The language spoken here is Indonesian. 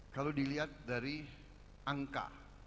kalau dilihat dari angka